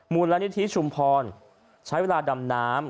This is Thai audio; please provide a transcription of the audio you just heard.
มูลนิธิชุมพรใช้เวลาดำน้ำ